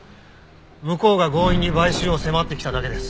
向こうが強引に買収を迫ってきただけです。